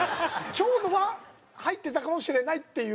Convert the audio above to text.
蝶野は入ってたかもしれないっていう。